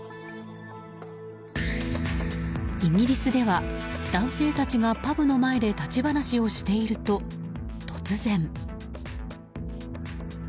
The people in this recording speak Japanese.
イギリスでは男性たちがパブの前で立ち話をしていると突然。